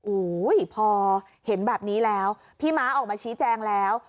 โอ้โหพอเห็นแบบนี้แล้วพี่ม้าออกมาชี้แจงแล้ว